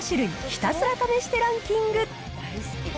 ひたすら試してランキング。